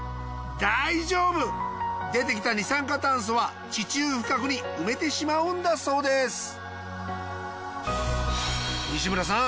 出てきた二酸化炭素は地中深くに埋めてしまうんだそうです西村さん